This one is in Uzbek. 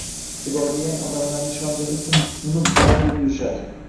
Xudogayam odamlar ishongani uchun uni bor deb yurishadi.